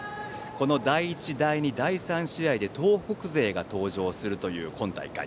この第１、第２、第３試合で東北勢が登場するという今大会。